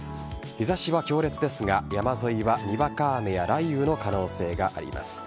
日差しは強烈ですが山沿いはにわか雨や雷雨の可能性があります。